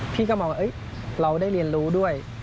พี่ก็มองว่าเราได้เรียนรู้ด้วย